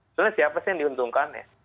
sebenarnya siapa sih yang diuntungkan ya